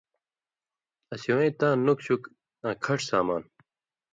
تے سِوَیں تاں نُک شُک آں کھݜ سامان،